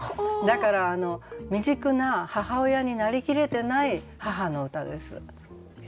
だから未熟な母親になりきれてない母の歌です。